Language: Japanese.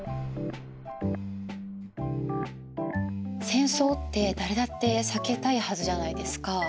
戦争って誰だって避けたいはずじゃないですか。